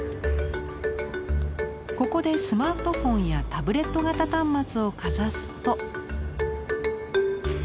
ここでスマートフォンやタブレット型端末をかざすと。